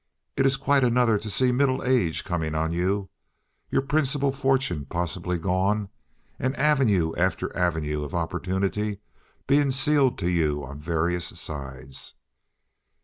It is quite another to see middle age coming on, your principal fortune possibly gone, and avenue after avenue of opportunity being sealed to you on various sides.